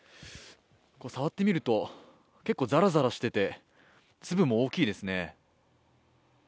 触ってみると結構ざらざらしていて粒も大きいですね。